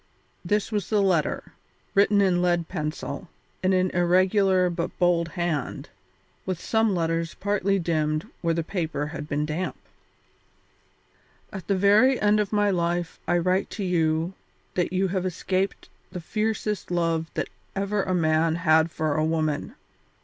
This was the letter, written in lead pencil, in an irregular but bold hand, with some letters partly dimmed where the paper had been damp: "At the very end of my life I write to you that you have escaped the fiercest love that ever a man had for a woman.